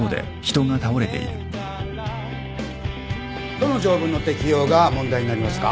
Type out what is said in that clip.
どの条文の適用が問題になりますか？